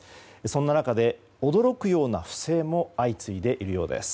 そんな中で驚くような不正も相次いでいるようです。